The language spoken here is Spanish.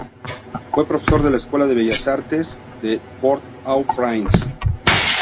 Fue profesor de la Escuela de Bellas Artes de Port-au-Prince.